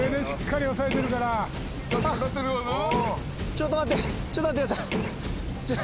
ちょっと待って、ああ。